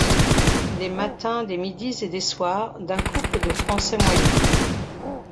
Des matins, des midis et des soirs d'un couple de Français moyens.